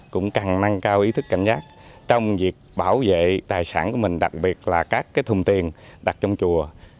cũng cần nâng cao ý thức cảnh giác trong việc bảo vệ tài sản của mình đặc biệt là các cái thùng tiền đặt trong chùa